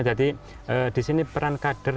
jadi di sini peran kader